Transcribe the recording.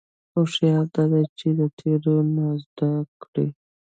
هوښیاري دا ده چې د تېرو نه زده کړې.